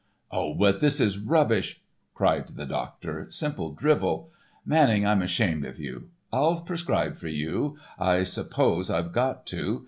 "Oh, but this is rubbish," cried the doctor, "simple drivel. Manning, I'm ashamed of you. I'll prescribe for you, I suppose I've got to.